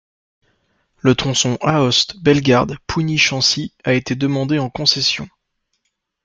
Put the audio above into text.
Le tronçon Aoste, Bellegarde, Pougny-Chancy a été demandé en concession.